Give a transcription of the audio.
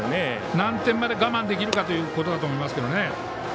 何点まで我慢できるかということだと思います。